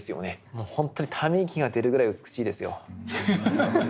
もうほんとにため息が出るぐらい美しいですよ。